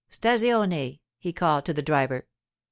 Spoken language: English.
'Stazione,' he called to the driver.